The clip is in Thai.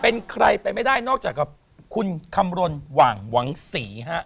เป็นใครไปไม่ได้นอกจากกับคุณคำรณหว่างหวังศรีฮะ